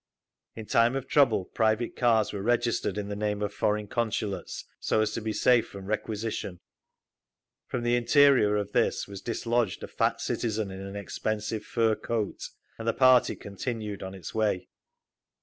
(In time of trouble private cars were registered in the name of foreign consulates, so as to be safe from requisition.) From the interior of this was dislodged a fat citizen in an expensive fur coat, and the party continued on its way.